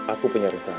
aku punya rencana